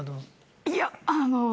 いやあの。